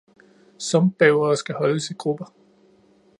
Sumpbævere skal holdes i grupper.